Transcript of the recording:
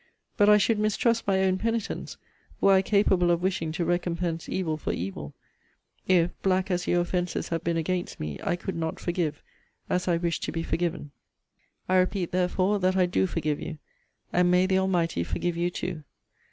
But I should mistrust my own penitence, were I capable of wishing to recompense evil for evil if, black as your offences have been against me, I could not forgive, as I wish to be forgiven. I repeat, therefore, that I do forgive you. And may the Almighty forgive you too!